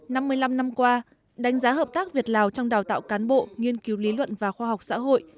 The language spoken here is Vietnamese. năm mươi năm năm qua đánh giá hợp tác việt lào trong đào tạo cán bộ nghiên cứu lý luận và khoa học xã hội